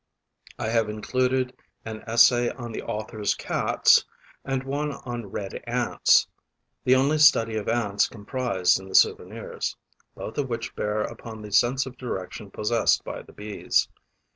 I have also included an essay on the author's Cats and one on Red Ants the only study of Ants comprised in the "Souvenirs" both of which bear upon the sense of direction possessed by the Bees.